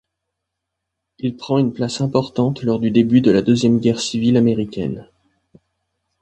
Il prend une place importante lors du début le la deuxième guerre civile américaine.